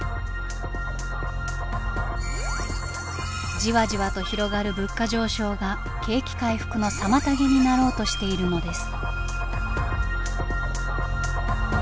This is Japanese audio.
じわじわと広がる物価上昇が景気回復の妨げになろうとしているのです。